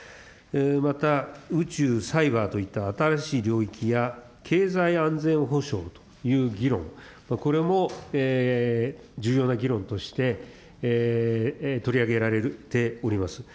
また、宇宙、サイバーといった新しい領域や、経済安全保障という議論、これも重要な議論として、取り上げられております。